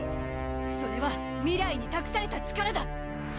それは未来にたくされた力だ！